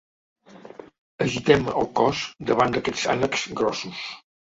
Agitem el cos davant d'aquests ànecs grossos.